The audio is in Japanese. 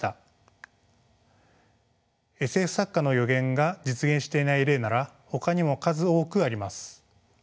ＳＦ作家の予言が実現していない例ならほかにも数多くあります。